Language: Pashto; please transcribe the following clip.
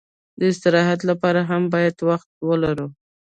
د استراحت لپاره هم باید وخت ولرو.